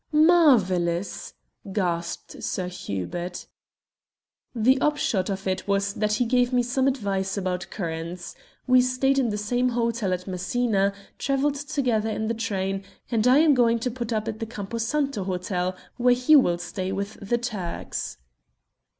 "Marvellous!" gasped Sir Hubert. "The upshot of it was that he gave me some advice about currants. We stayed in the same hotel at Messina, travelled together in the train, and I am going to put up at the Campo Santo Hotel, where he will stay with the Turks."